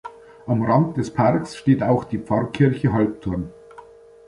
Am Rand des Parks steht auch die "Pfarrkirche Halbturn".